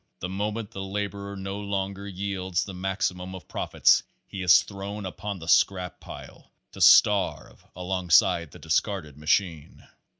The moment the laborer no longer yields the maximum of profits he is thrown upon the scrap pile, to starve alongside the discarded machine.